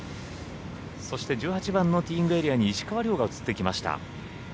そして１８番のティーイングエリアに石川遼が映ってきました。